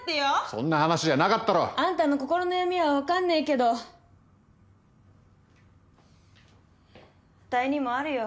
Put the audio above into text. そんな話じゃなかったろ！あんたの心の闇はわかんねえけどあたいにもあるよ。